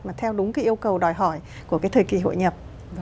để có đúng cái yêu cầu đòi hỏi của cái thời kỳ hội nhập